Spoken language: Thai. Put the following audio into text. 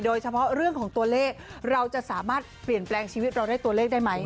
โดยเฉพาะเรื่องของตัวเลขเราจะสามารถเปลี่ยนแปลงชีวิตเราได้ตัวเลขได้ไหม